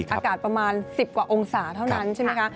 อากาศประมาณ๑๐กว่าองศาเท่านั้นใช่ไหมคะ